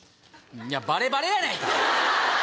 バレバレやないか！